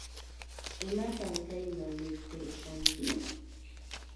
Imatan qayna mikhurqanki?